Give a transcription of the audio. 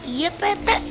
iya pak rete